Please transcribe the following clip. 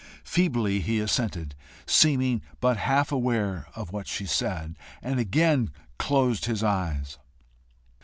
Feebly he assented, seeming but half aware of what she said, and again closed his eyes.